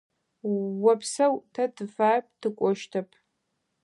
Опсэу, тэ тыфаеп, тыкӏощтэп.